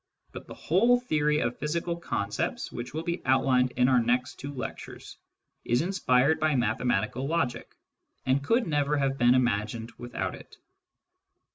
but the whole theory of physical concepts which 1 will be outlined in our next two lectures, is inspired by : mathematical logic, and could never have been imagined ! without it.